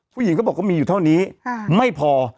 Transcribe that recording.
ผู้หญิงก็บอกว่ามีอยู่เท่านี้ไม่พอ